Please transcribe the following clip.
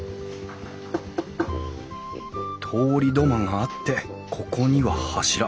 通り土間があってここには柱。